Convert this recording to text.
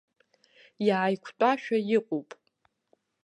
Иааиқәтәашәа иҟоуп.